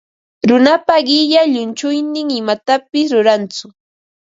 Runapa qilla llunchuynin imatapis rurantsu.